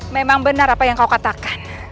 memang benar apa yang kau katakan